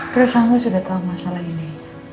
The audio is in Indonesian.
terus kamu sudah tahu masalah ini